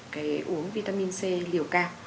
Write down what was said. cái uống vitamin c liều cao